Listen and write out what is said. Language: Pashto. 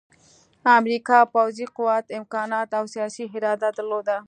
امریکا پوځي قوت، امکانات او سیاسي اراده درلوده